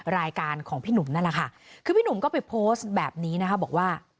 รายการของพี่หนุ่มนั่นแหละค่ะคือพี่หนุ่มก็ไปโพสต์แบบนี้นะคะบอกว่า